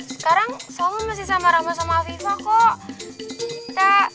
sekarang salma masih sama rahma sama fifah kok